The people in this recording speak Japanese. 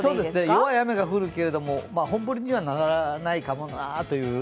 弱い雨が降るけど、本降りにはならないかなという。